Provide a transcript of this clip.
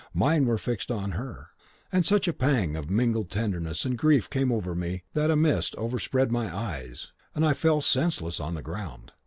Mine were fixed on her, and such a pang of mingled tenderness and grief came over me that a mist overspread my eyes, and I fell senseless on the ground.